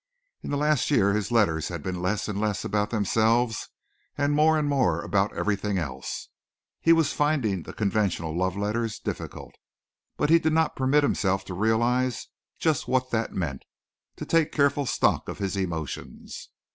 In the last year his letters had been less and less about themselves and more and more about everything else. He was finding the conventional love letters difficult. But he did not permit himself to realize just what that meant to take careful stock of his emotions.